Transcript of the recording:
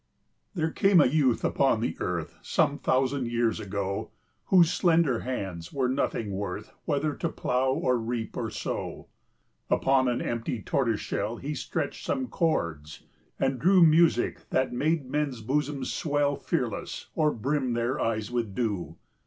There came a youth upon the earth, Some thousand years ago, Whose slender hands were nothing worth, Whether to plough, or reap, or sow. Upon an empty tortoise shell 5 He stretched some chords, and drew Music that made men's bosoms swell Fearless, or brimmed their eyes with dew.